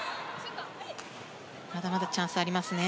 まだまだチャンスありますね。